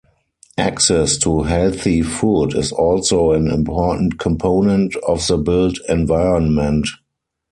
Access to healthy food is also an important component of the built environment.